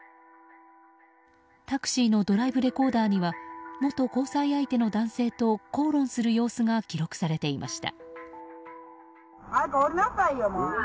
タクシーのドライブレコーダーには元交際相手の男性と口論する様子が記録されていました。